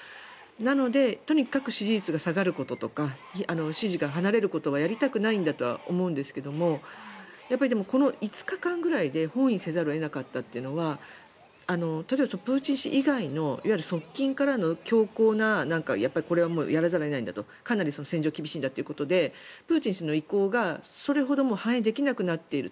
なのでとにかく支持率が下がることとか支持が離れることはやりたくないんだとは思うんですがこの５日間ぐらいで翻意せざるを得なかったのはプーチン氏以外のいわゆる側近からの強硬なこれはやらざるを得ないんだとかなり戦状が厳しいんだということでプーチン氏の意向がそれほど反映できなくなっている。